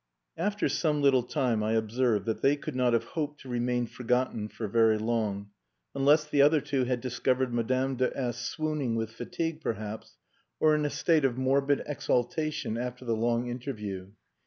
After some little time I observed that they could not have hoped to remain forgotten for very long, unless the other two had discovered Madame de S swooning with fatigue, perhaps, or in a state of morbid exaltation after the long interview.